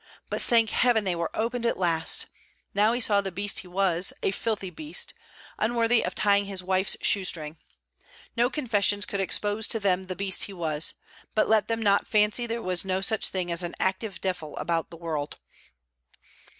But, thank heaven, they were opened at last! Now he saw the beast he was: a filthy beast! unworthy of tying his wife's shoestring. No confessions could expose to them the beast he was. But let them not fancy there was no such thing as an active DEVIL about the world.